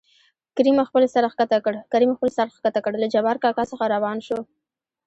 کريم خپل سر ښکته کړ له جبار کاکا څخه راوان شو.